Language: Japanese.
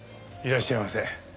いらっしゃいませ。